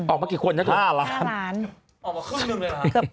ออกมากี่คนนะเธอ๕ล้านล้านออกมาครึ่งหนึ่งเลยเหรอ